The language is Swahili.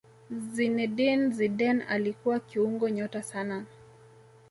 zinedine zidane alikuwa kiungo nyota sana